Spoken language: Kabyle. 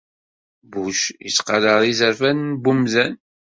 Bush yettqadar izerfan n wemdan.